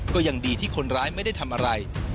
ก็ยังดีที่คนร้ายไม่ได้ทำอะไร